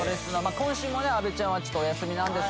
今週もね阿部ちゃんはお休みです